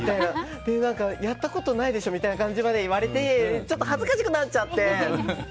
やったことないでしょみたいな感じまで言われてちょっと恥ずかしくなっちゃって。